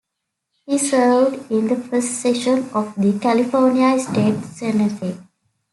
He served in the first session of the California State Senate.